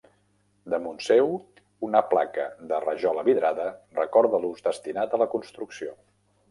Damunt seu, una placa de rajola vidrada recorda l'ús destinat a la construcció.